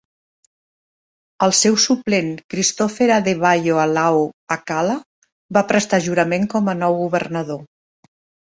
El seu suplent, Christopher Adebayo Alao-Akala, va prestar jurament com a nou governador.